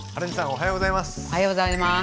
おはようございます。